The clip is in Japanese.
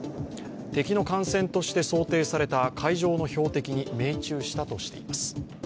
敵の艦船として想定された海上の標的に命中したとしています。